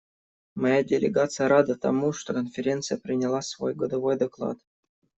Моя делегация рада тому, что Конференция приняла свой годовой доклад.